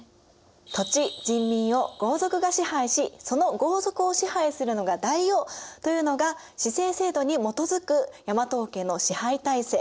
土地・人民を豪族が支配しその豪族を支配するのが大王というのが氏姓制度にもとづく大和王権の支配体制。